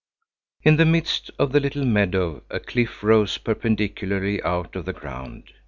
In the midst of the little meadow a cliff rose perpendicularly out of the ground.